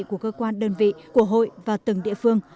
của cơ quan đơn vị của hội và từng địa phương